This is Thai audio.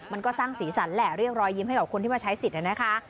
มันก็สร้างสีสันแหละเรียกรอยยิ้มให้กับคนที่มาใช้สิทธิ์นะคะ